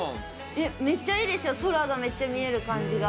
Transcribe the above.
めっちゃいいですよ、空がめっちゃ見える感じが。